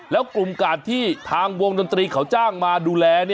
แล้วกลุ่มกาดที่ทางวงดนตรีเขาจ้างมาดูแล